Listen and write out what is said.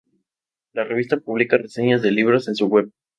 La revista publica reseñas de libros en su web.